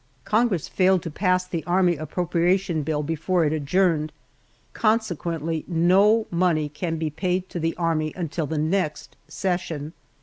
Congress failed to pass the army appropriation bill before it adjourned, consequently no money can be paid to the Army until the next session!